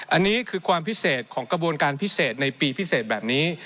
อันนี้คือความพิเศษของกระบวนการพิเศษในปีพิเศษแบบนี้